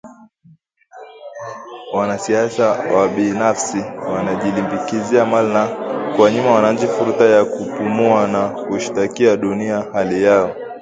Wanasiasa wabinafsi wanajilimbikizia mali na kuwanyima wananchi fursa ya kupumua au kushtakia dunia hali yao